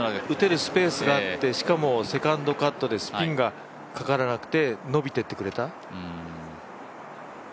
打てるスペースがあってしかもセカンドカットでスピンがかからなくて伸びていってくれた。